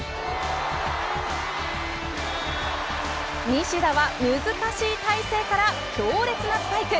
西田は難しい体勢から強烈なスパイク。